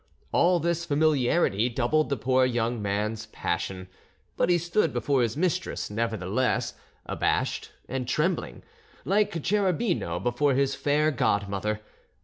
All this familiarity doubled the poor young man's passion, but he stood before his mistress, nevertheless, abashed and trembling, like Cherubino before his fair godmother.